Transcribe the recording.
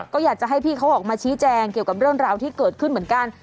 ก็อยากจะให้พี่เขาออกมาชี้แจงเกี่ยวกับเรื่องราวที่เกิดขึ้นเหมือนกัน